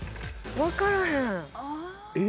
分からへん。